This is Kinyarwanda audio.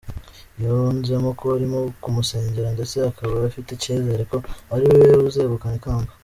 Yunzemo ko arimo kumusengera ndetse akaba afite icyizere ko ari we uzegukana ikamba.